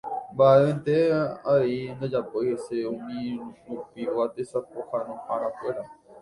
Mba'evénte avei ndojapói hese umirupigua tesapohãnoharakuéra.